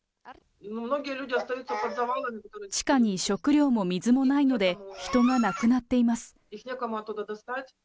地下に食料も水もないので、人が亡くなっています。